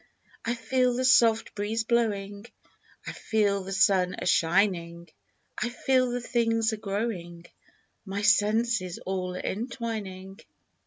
I feel the soft breeze blowing, I feel the sun a shining, I feel the things a growing, My senses all entwining.